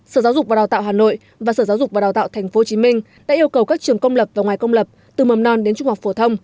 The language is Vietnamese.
sở giáo dục và đào tạo hà nội và sở giáo dục và đào tạo tp hcm đã yêu cầu các trường công lập và ngoài công lập từ mầm non đến trung học phổ thông